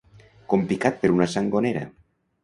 Com picat per una sangonera.